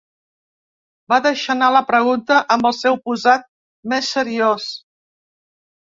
Va deixar anar la pregunta amb el seu posat més seriós.